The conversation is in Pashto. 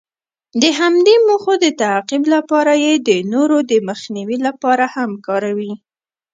د همدې موخو د تعقیب لپاره یې د نورو د مخنیوي لپاره هم کاروي.